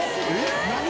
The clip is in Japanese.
何？